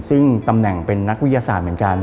ซึ่งตำแหน่งเป็นนักวิทยาศาสตร์เหมือนกัน